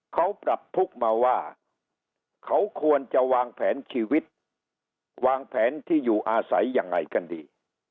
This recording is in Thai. เขาปรับทุกข์มาว่าเขาควรจะวางแผนชีวิตวางแผนที่อยู่อาศัยยังไงกันดี